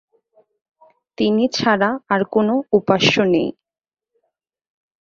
তিনি ছাড়া আর কোন উপাস্য নেই।